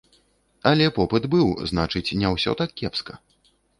Але попыт быў, значыць, не ўсё так кепска.